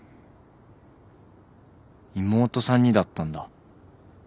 妹さんにだったんだ。